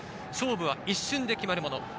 勝負は一瞬で決まるもの。